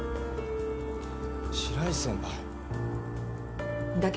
白石先輩だけどわたし